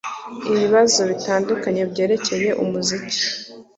ibabazo bitandukanye byerekeye umuziki